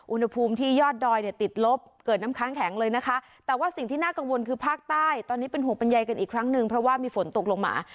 อุณหภูมิที่ยอดดอยเนี่ยติดลบเกิดน้ำค้างแข็งเลยนะคะแต่ว่าสิ่งที่น่ากังวลคือภาคใต้ตอนนี้เป็นห่วงเป็นใยกันอีกครั้งหนึ่งเพราะว่ามีฝนตกลงมา